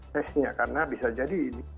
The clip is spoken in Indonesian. tesnya karena bisa jadi